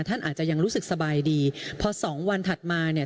ท่านอาจจะยังรู้สึกสบายดีพอสองวันถัดมาเนี่ย